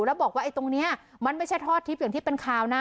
แล้วบอกว่าไอ้ตรงนี้มันไม่ใช่ทอดทิพย์อย่างที่เป็นข่าวนะ